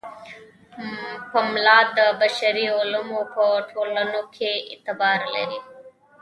پملا د بشري علومو په ټولنو کې اعتبار لري.